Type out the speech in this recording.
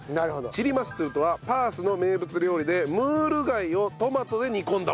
チリマッスルとはパースの名物料理でムール貝をトマトで煮込んだもの。